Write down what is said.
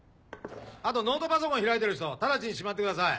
あとノートパソコン開いてる人直ちにしまってください。